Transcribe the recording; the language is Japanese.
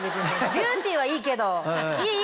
ビューティーはいいけどいいいい！